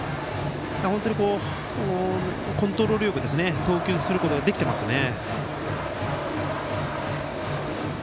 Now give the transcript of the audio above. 本当に、コントロールよく投球することができていますね。